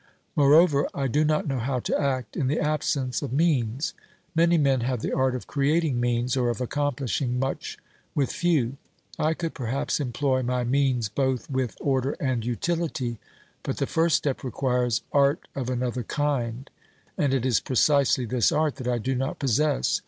Moreover, I do not know how to act in the absence of means ; many men have the art of creating means, or of accomplishing much with few. I could perhaps employ my means both with order and utility, but the first step requires art of another kind, and it is precisely this art that I do not possess.